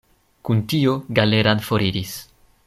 Kun tio Galeran foriris.